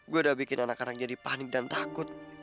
gue udah bikin anak anak jadi panik dan takut